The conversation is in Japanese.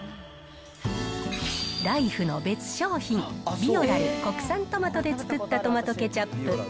ライフの別商品、ビオラル国産トマトで作ったトマトケチャップ。